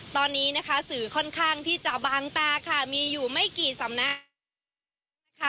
ตอนนี้นะคะสื่อค่อนข้างที่จะบางตาค่ะมีอยู่ไม่กี่สำนักนะคะ